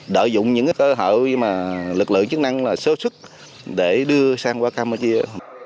đợi dụng những cơ hội mà lực lượng chức năng sơ sức để đưa sang campuchia